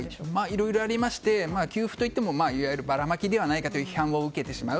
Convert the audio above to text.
いろいろありまして給付といっても、いわゆるばらまきではないかという批判を受けてしまう。